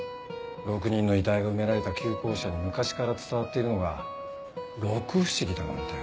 ６人の遺体が埋められた旧校舎に昔から伝わっているのが六不思議だなんて。